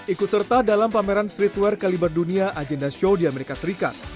ikut serta dalam pameran streetwear kaliber dunia agenda show di amerika serikat